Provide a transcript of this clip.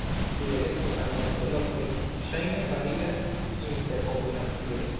Fideleco al nestolokoj ŝajne varias inter populacioj.